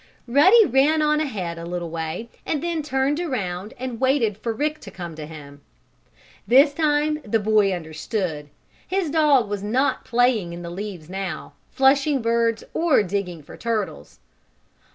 Ruddy ran on ahead a little way and then turned around and waited for Rick to come to him. This time the boy understood. His dog was not playing in the leaves now, flushing birds or digging for turtles.